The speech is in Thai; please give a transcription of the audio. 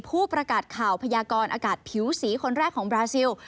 ผู้ประกาศข่าวพยากรอากาศผิวสีคนแรกของบราซิล